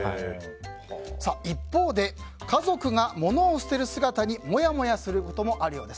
一方で、家族が物を捨てる姿にモヤモヤすることもあるようです。